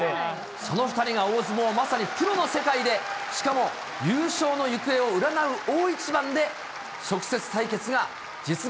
その２人が大相撲、まさにプロの世界で、しかも優勝の行方を占う大一番で、直接対決が実現。